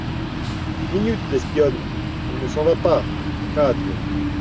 Minute, l'espionne ! on ne s'en va pas ! CADIO.